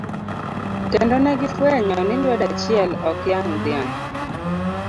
Kendo negi fwenyo ni lwedo achiel, ok yang' dhiang'.